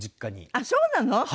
あっそうなの？